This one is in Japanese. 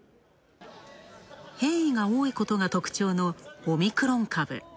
変異が多いことが特徴のオミクロン株。